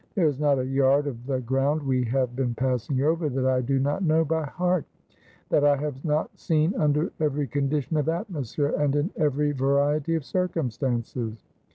There is not a yard of the ground we have been passing over that I do not know by heart — that I have not seen under every condition of atmosphere, and in every variety of circumstances.